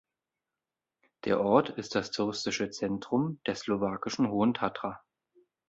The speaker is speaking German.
Der Ort ist das touristische Zentrum der slowakischen Hohen Tatra.